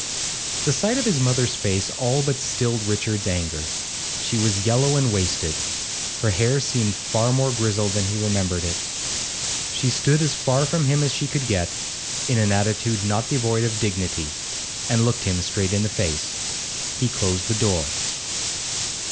The sight of his mother's face all but stilled Richard's anger; she was yellow and wasted; her hair seemed far more grizzled than he remembered it. She stood as far from him as she could get, in an attitude not devoid of dignity, and looked him straight in the face. He closed the door.